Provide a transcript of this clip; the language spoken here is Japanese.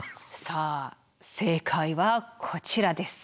さあ正解はこちらです。